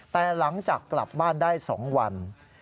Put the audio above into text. แต่หลังจากกลับบ้านได้๒วัน